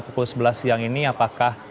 pukul sebelas siang ini apakah